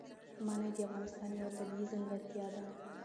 منی د افغانستان یوه طبیعي ځانګړتیا ده.